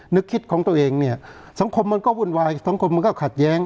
นึกคิดของตัวเองเนี่ยสังคมมันก็วุ่นวายสังคมมันก็ขัดแย้ง